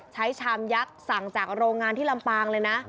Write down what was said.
ชามยักษ์สั่งจากโรงงานที่ลำปางเลยนะ